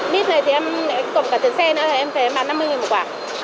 mít này thì em có cả tiền xe nữa em phải bán năm mươi đồng một quả